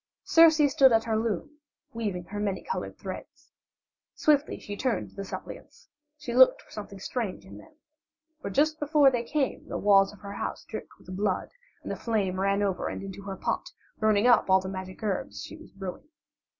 Circe stood at her loom, weaving her many colored threads. Swiftly she turned to the suppliants; she looked for something strange in them, for just before they came the walls of her house dripped with blood and the flame ran over and into her pot, burning up all the magic herbs she was brewing.